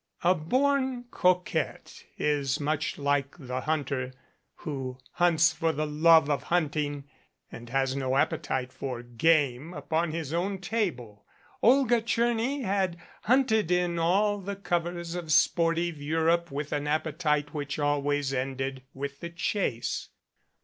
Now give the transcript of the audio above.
A born coquette is much like the hunter who hunts for the love of hunting and has no appetite for game upon his own table. Olga Tcherny had hunted in all the covers of sportive Europe with an appetite which always ended with the chase.